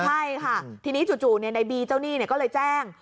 ใช่ค่ะทีนี้จู่ในบีเจ้าหนี้ก็เลยแจ้ง